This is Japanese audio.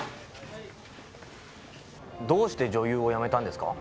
どうして女優を辞めたんですか？